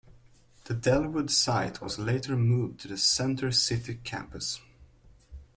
The Dellwood site was later moved to the Center City campus.